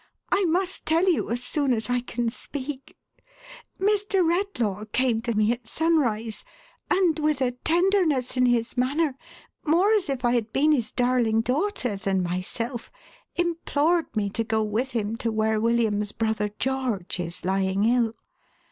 I must tell you, as soon as I can speak. — Mr. Redlaw came to me at sunrise, and with a tenderness in his manner, more as if J had been his darling daughter than myself, implored me to go with him to where William's brother George is lying ill.